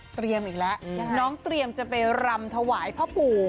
เตรียมอีกแล้วน้องเตรียมจะไปลำถวายพระปู่